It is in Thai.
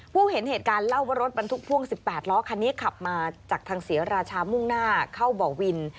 เห็นเหตุการณ์เล่าว่ารถบรรทุกพ่วง๑๘ล้อคันนี้ขับมาจากทางศรีราชามุ่งหน้าเข้าบ่อวิน